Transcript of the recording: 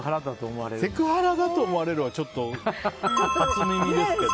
セクハラだと思われるはちょっと初耳ですけど。